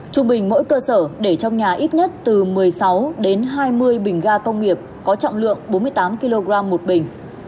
trung bình mỗi cơ sở để trong nhà ít nhất từ một mươi sáu đến hai mươi bình ga công nghiệp có trọng lượng bốn mươi tám kg một bình